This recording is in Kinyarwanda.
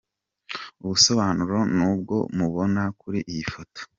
Ubusobanuro nubwo mubona kuri iyi foto.